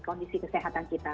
kondisi kesehatan kita